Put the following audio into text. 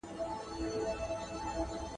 سره ورغلې دوې روي، سره وې کښلې يوو د بل گروي.